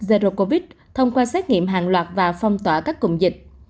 zero covid thông qua xét nghiệm hàng loạt và phong tỏa các cụm dịch